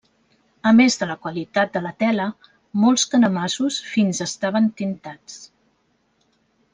A més de la qualitat de la tela, molts canemassos fins estaven tintats.